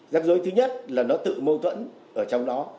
rắc rối thứ nhất là nó tự mâu tuẫn ở trong đó